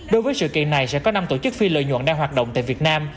đối với sự kiện này sẽ có năm tổ chức phi lợi nhuận đang hoạt động tại việt nam